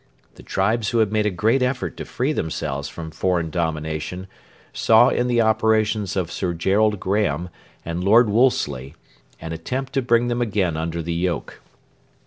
The tribes who had made a great effort to free themselves from foreign domination saw in the operations of Sir Gerald Graham and Lord Wolseley an attempt to bring them again under the yoke.